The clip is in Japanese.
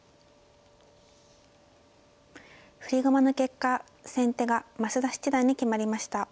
振り駒の結果先手が増田七段に決まりました。